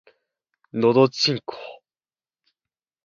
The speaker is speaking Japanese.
のどちんこぉ